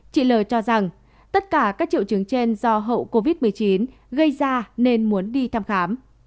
chị l cho rằng tất cả các triệu chứng trên do hậu covid một mươi chín gây ra nên muốn đi thăm khám